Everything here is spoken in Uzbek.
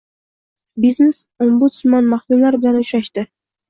Biznes-ombudsman mahkumlar bilan uchrashding